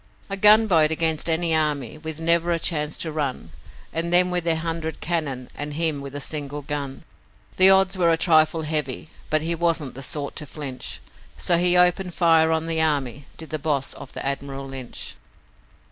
A gunboat against an army, and with never a chance to run, And them with their hundred cannon and him with a single gun: The odds were a trifle heavy but he wasn't the sort to flinch, So he opened fire on the army, did the boss of the 'Admiral Lynch'.